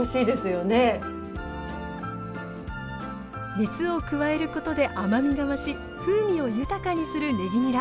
熱を加えることで甘みが増し風味を豊かにするねぎにら。